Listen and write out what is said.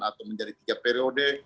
atau menjadi tiga periode